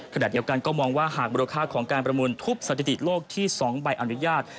ขณะเดียวกันก็มองว่าหากมูลค่าของการประมูลทุบสถิติโลกที่๒ใบอนุญาต